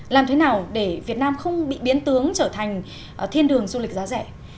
làm thế nào để việt nam không bị biến tướng trở thành thiên đường du lịch giá rẻ